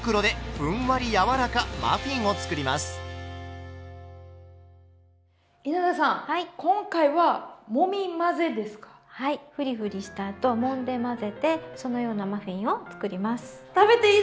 ふりふりしたあともんで混ぜてそのようなマフィンを作ります。